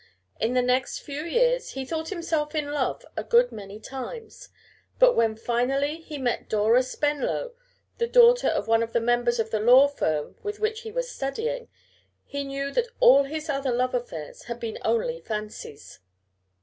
In the next few years he thought himself in love a good many times, but when finally he met Dora Spenlow, the daughter of one of the members of the law firm with which he was studying, he knew that all his other love affairs had been only fancies.